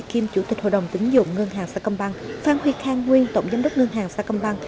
kiêm chủ tịch hội đồng tính dụng ngân hàng sacomban phan huy khang nguyên tổng giám đốc ngân hàng sacomban